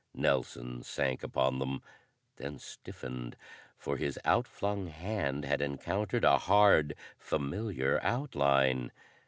Nelson sank upon them, then stiffened, for his outflung hand had encountered a hard, familiar outline.